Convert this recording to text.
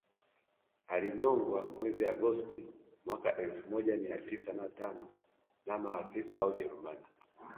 Alinyongwa mwezi Agosti mwaka elfu moja mia tisa na tano na maafisa wa ujerumani